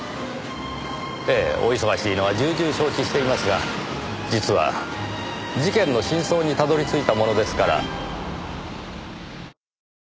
ええお忙しいのは重々承知していますが実は事件の真相にたどり着いたものですから。